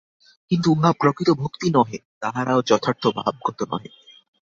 কিন্তু উহা প্রকৃত ভক্তি নহে, তাহারাও যথার্থ ভাগবত নহে।